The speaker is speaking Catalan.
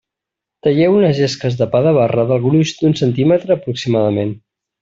Talleu unes llesques de pa de barra del gruix d'un centímetre aproximadament.